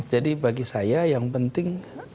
jadi bagi saya yang penting